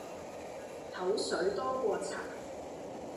口水多过茶